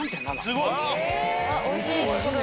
すごい。